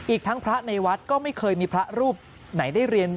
อีกทั้งพระในวัดก็ไม่เคยมีพระรูปไหนได้เรียน